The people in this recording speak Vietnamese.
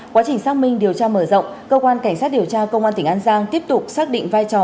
quá trình xác minh điều tra mở rộng cơ quan cảnh sát điều tra công an tỉnh an giang tiếp tục xác định vai trò